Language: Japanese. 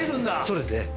そうですね。